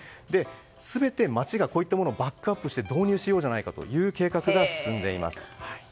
全て町がこういったものをバックアップして導入しようじゃないかという計画が進んでいます。